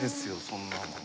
そんなの。